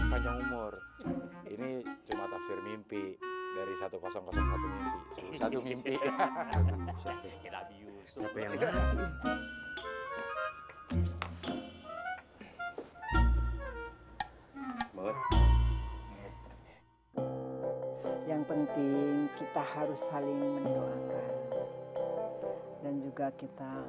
dengan ini cuma tafsir mimpi dari seribu satu mimpi yang penting kita harus saling mendoakan dan juga kita